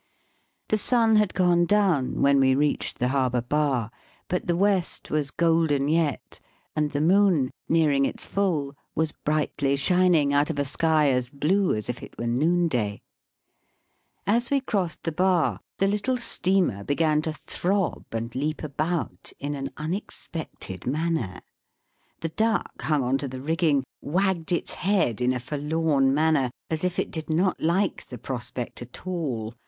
The sun had gone down when we reached the harbour bar, but the west was golden yet, and the moon, nearing its full, was brightly shining out of a sky as blue as if it were noon day. As we crossed the bar the little steamer began to throb and leap about in an un expected manner. The duck, hung on to the rigging, wagged its head in a forlorn manner, as if it did not like the prospect at all.